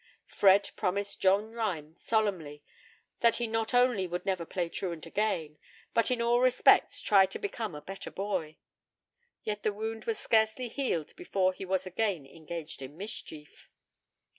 Fred promised John Rhines solemnly that he not only would never play truant again, but in all respects try to become a better boy; yet the wound was scarcely healed before he was again engaged in mischief.